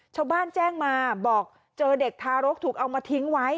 ชาวบ้านแจ้งมาบอกเจอเด็กทารกถูกเอามาทิ้งไว้